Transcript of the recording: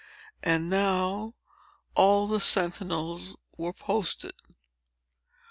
And now, all the sentinels were posted.